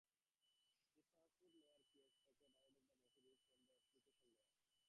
The transport layer creates packets out of the message received from the application layer.